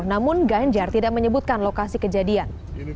namun ganjar tidak menyebutkan lokasi kejadian